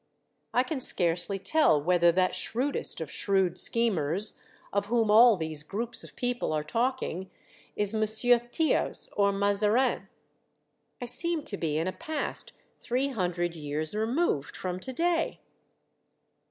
I can scarcely tell whether that shrewdest of shrewd schemers, of whom all these groups of people are talking, is M. Thiers or Mazarin. I seem to be in a past three hundred years removed from to day.